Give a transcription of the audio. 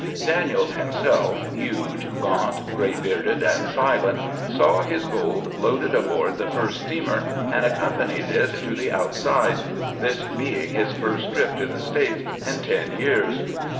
Daniels himself, huge, gaunt, gray bearded, and silent, saw his gold loaded aboard the first steamer and accompanied it to the "outside" this being his first trip to the States in ten years.